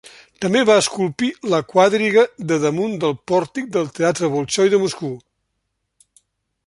També va esculpir la quadriga de damunt del pòrtic del Teatre Bolxoi de Moscou.